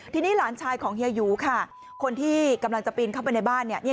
ทีนี้หลานชายของเฮียหยูค่ะคนที่กำลังจะปีนเข้าไปในบ้านเนี่ย